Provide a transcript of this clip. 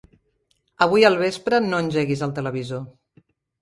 Avui al vespre no engeguis el televisor.